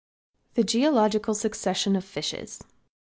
THE GEOLOGICAL SUCCESSION OF FISHES.